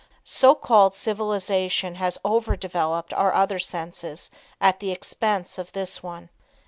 "So called" civilization has over developed our other senses at the expense of this one.